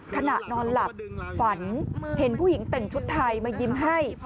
ขณะนอนหลับฝันเห็นผู้หญิงแต่งชุดไทยมายิ้มให้